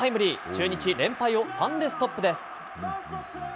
中日、連敗を３でストップです。